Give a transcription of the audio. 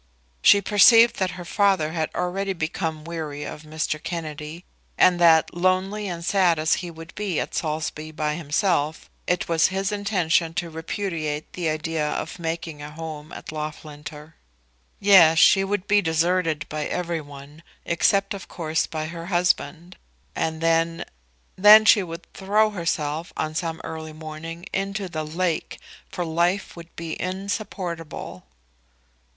She perceived that her father had already become weary of Mr. Kennedy, and that, lonely and sad as he would be at Saulsby by himself, it was his intention to repudiate the idea of making a home at Loughlinter. Yes; she would be deserted by everyone, except of course by her husband; and then Then she would throw herself on some early morning into the lake, for life would be insupportable.